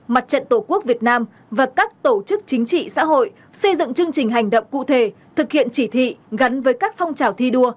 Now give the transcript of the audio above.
mặt trận tổ quốc việt nam và các tổ chức chính trị xã hội xây dựng chương trình hành động cụ thể thực hiện chỉ thị gắn với các phong trào thi đua